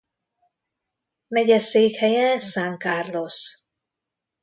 Megyeszékhelye San Carlos.